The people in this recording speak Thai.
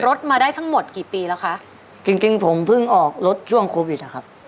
รถมาได้ทั้งหมดกี่ปีแล้วคะจริงจริงผมเพิ่งออกรถช่วงโควิดอ่ะครับ